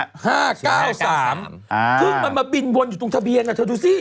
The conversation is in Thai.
ซึ่งมันมาบินวนอยู่ตรงทะเบียนเธอดูสิ